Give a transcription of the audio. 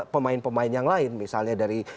pemain pemain yang lain misalnya dari